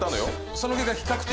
その結果比較的。